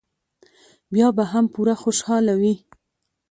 بیا به هم پوره خوشاله وي.